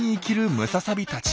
ムササビたち。